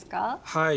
はい。